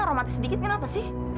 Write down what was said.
aromatis sedikit kenapa sih